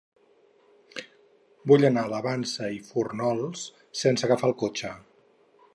Vull anar a la Vansa i Fórnols sense agafar el cotxe.